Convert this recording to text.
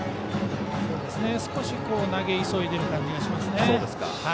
少し、投げ急いでる感じがしますね。